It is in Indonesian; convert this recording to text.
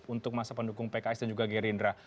untuk masa pendukung pks dan juga gerindra